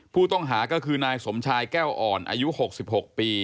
ผู้ต้องหาก็คือนายสมชายแก้วอ่อนอายุ๖๖ปี